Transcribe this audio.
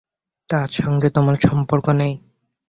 তার সঙ্গে তোমার সম্পর্ক নেই।